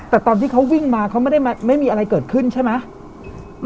แต่ตอนที่เขาวิ่งมาเขาไม่ได้ไม่มีอะไรเกิดขึ้นใช่ไหม